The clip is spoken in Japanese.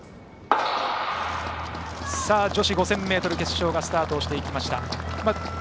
女子５０００ｍ決勝がスタートしました。